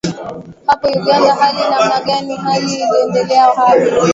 hapo uganda hali namna gani hali iliendeleaje hapo